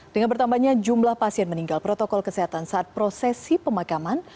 dengan bertambahnya jumlah pasien meninggal protokol kesehatan saat prosesi pemakaman